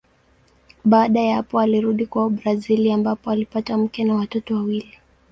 Baada ya hapo alirudi kwao Brazili ambapo alipata mke na watoto wawili.